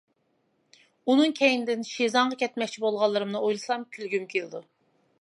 ئۇنىڭ كەينىدىن شىزاڭغا كەتمەكچى بولغانلىرىمنى ئويلىسام كۈلگۈم كېلىدۇ.